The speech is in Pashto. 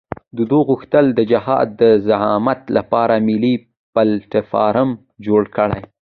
دوی غوښتل د جهاد د زعامت لپاره ملي پلټفارم جوړ کړي.